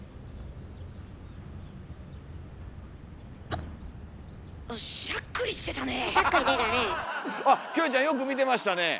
あっキョエちゃんよく見てましたねえ。